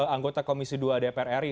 anggota komisi dua dpr ri